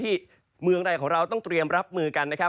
ที่เมืองไทยของเราต้องเตรียมรับมือกันนะครับ